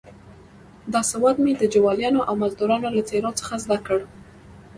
دا سواد مې د جوالیانو او مزدروانو له څېرو څخه زده کړ.